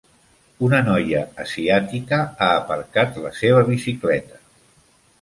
Una noia asiàtica ha aparcat la seva bicicleta